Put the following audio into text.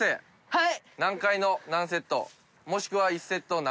はい！